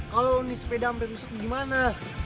kalau nih sepeda amret rusak gimana